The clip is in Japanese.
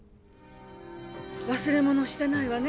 忘れ物をしてないわね？